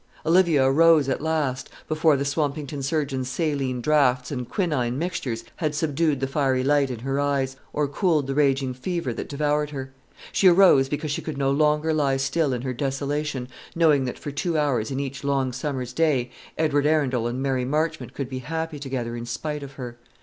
Olivia arose at last, before the Swampington surgeon's saline draughts and quinine mixtures had subdued the fiery light in her eyes, or cooled the raging fever that devoured her. She arose because she could no longer lie still in her desolation knowing that, for two hours in each long summer's day, Edward Arundel and Mary Marchmont could be happy together in spite of her.